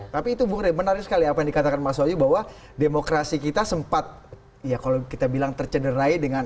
tapi itu bung rey menarik sekali apa yang dikatakan mas wahyu bahwa demokrasi kita sempat ya kalau kita bilang tercederai dengan